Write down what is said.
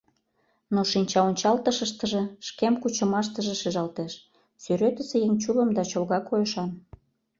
Но шинчаончалтыштыже, шкем кучымаштыже шижалтеш — сӱретысе еҥ чулым да чолга койышан.